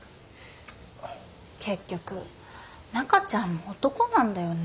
結局中ちゃんも男なんだよね。